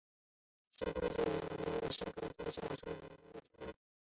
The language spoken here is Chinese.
社会主义团结联盟是墨西哥的一个小型托洛茨基主义组织。